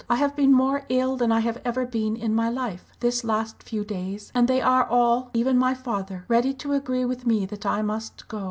I have been more ill than I have ever been in my life this last few days, and they are all, even my father, ready to agree with me that I must go.